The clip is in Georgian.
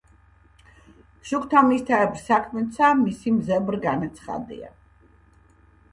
შუქთა მისთაებრ საქმეცა მისი მზებრ განაცხადია.